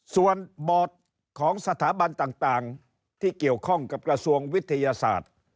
ส่วนบอร์ดของสถาบันต่างที่เกี่ยวข้องกับกระทรวงวิทยาศาสตร์